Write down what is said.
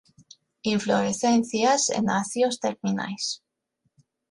Inflorescencias en acios terminais.